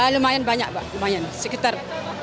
lumayan banyak sekitar